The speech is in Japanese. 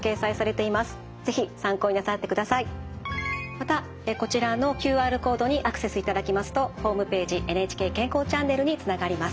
またこちらのＱＲコードにアクセスいただきますとホームページ「ＮＨＫ健康チャンネル」につながります。